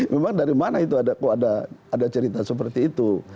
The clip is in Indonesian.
memang dari mana itu ada cerita seperti itu